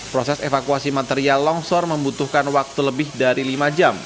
proses evakuasi material longsor membutuhkan waktu lebih dari lima jam